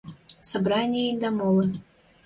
собрании дӓ молы